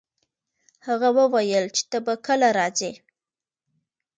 هغه وویل چي ته به کله راځي؟